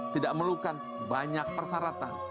tidak memerlukan banyak persaratan